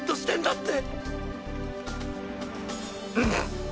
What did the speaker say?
って。